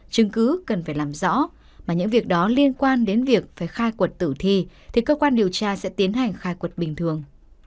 chứng cứ cần phải làm rõ mà những việc đó liên quan đến việc phải khai quật tử thi thì cơ quan điều tra sẽ tiến hành khai quật bình thường